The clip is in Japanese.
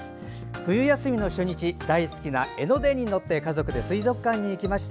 冬休みの初日に大好きな江ノ電に乗って家族で水族館に行きました。